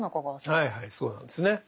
はいはいそうなんですね。